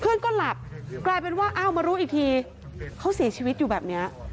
เพื่อนก็หลับกลายเป็นว่าอ้าวมารู้อีกทีเขาเสียชีวิตอยู่แบบนี้